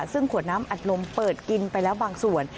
ซึ่งขวดน้ำอัดลมเปิดกินไปแล้วบางส่วน